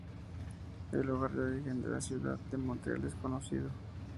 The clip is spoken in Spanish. El lugar de origen de la ciudad de Montreal es conocido.